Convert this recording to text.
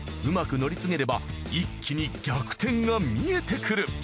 うまく乗り継げれば一気に逆転が見えてくる！